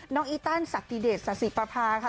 น้องอีต้านสติเดชสาธิปราพาค่ะ